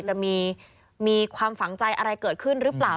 จะมีความฝังใจอะไรเกิดขึ้นหรือเปล่า